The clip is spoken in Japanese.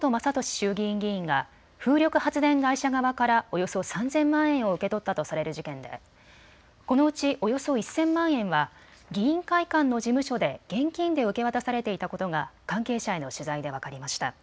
衆議院議員が風力発電会社側からおよそ３０００万円を受け取ったとされる事件でこのうち、およそ１０００万円は議員会館の事務所で現金で受け渡されていたことが関係者への取材で分かりました。